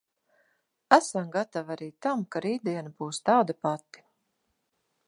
Esam gatavi arī tam, ka rītdiena būs tāda pati.